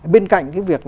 bên cạnh cái việc